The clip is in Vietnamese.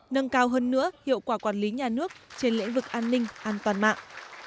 nâng cao hơn nữa hiệu quả quản lý nhà nước trên lĩnh vực an ninh an toàn mạng